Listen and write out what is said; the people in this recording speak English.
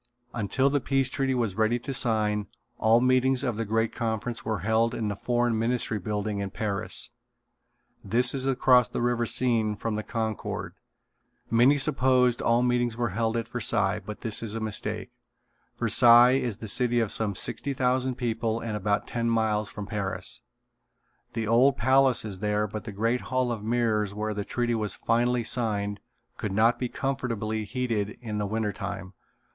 Until the Peace Treaty was ready to sign all meetings of the great conference were held in the Foreign Ministry building in Paris. This is across the river Seine from the Concorde. Many supposed all meetings were held at Versailles but this is a mistake. Versailles is a city of some sixty thousand people and about ten miles from Paris. The old Palace is there but the great Hall of Mirrors where the treaty was finally signed could not be comfortably heated in the winter time.